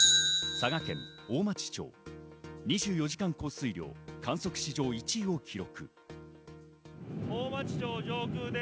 佐賀県・大町町、２４時間降水量、観測史上１位を記録。